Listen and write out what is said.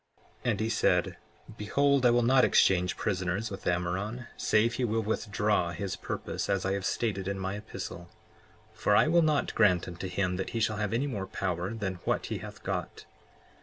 55:2 And he said: Behold, I will not exchange prisoners with Ammoron save he will withdraw his purpose, as I have stated in my epistle; for I will not grant unto him that he shall have any more power than what he hath got.